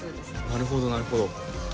なるほどなるほど。